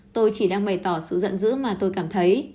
tôi chỉ đang bày tỏ sự giận dữ mà tôi cảm thấy